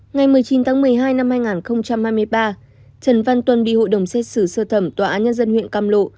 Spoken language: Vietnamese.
ngày một mươi chín tháng một mươi hai năm hai nghìn hai mươi ba trần văn tuân đi hội đồng xét xử sơ thẩm tòa án nhân dân huyện cam lộ